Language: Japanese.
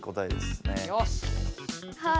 はい。